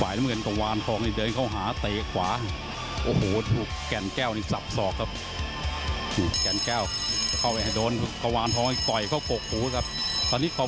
ยกแรกหมดยกที่๑